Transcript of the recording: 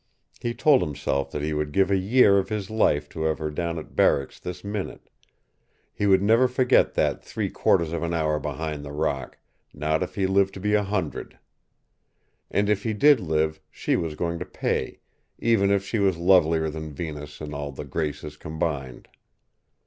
He told himself that he would give a year of his life to have her down at Barracks this minute. He would never forget that three quarters of an hour behind the rock, not if he lived to be a hundred. And if he did live, she was going to pay, even if she was lovelier than Venus and all the Graces combined.